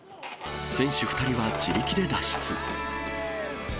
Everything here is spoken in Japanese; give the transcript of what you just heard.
選手２人は自力で脱出。